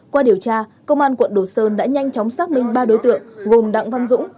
qua điều tra công an quận đồ sơn đã nhanh chóng xác minh ba đối tượng gồm đặng văn dũng